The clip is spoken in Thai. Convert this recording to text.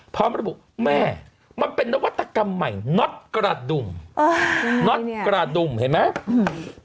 พร้อมระบุแม่มันเป็นนวัตกรรมใหม่น็อตกระดุมอ๋อน็อตกระดุมเห็นไหมอืม